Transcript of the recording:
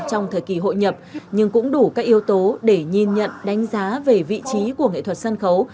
trong thời kỳ hội nhập nhưng cũng đủ các yếu tố để nhìn nhận đánh giá về vị trí của nghệ thuật sân khấu